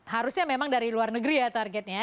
harusnya memang dari luar negeri ya targetnya